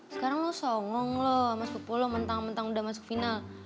sekarang lo songong loh sama sipu lo mentang mentang udah masuk final